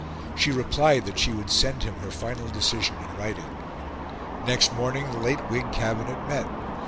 She replied that she would send him her final decision in writing. Next morning the late Whig Cabinet met.